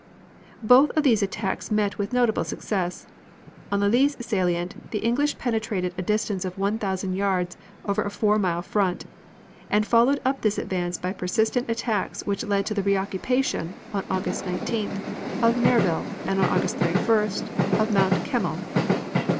Both of these attacks met with notable success. On the Lys salient the English penetrated a distance of one thousand yards over a four mile front, and followed up this advance by persistent attacks which led to the reoccupation, on August 19th, of Merville, and on August 31st, of Mont Kemmel.